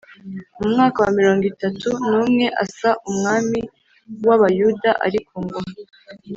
Mu mwaka wa mirongo itatu n’umwe Asa umwami w’Abayuda ari ku ngoma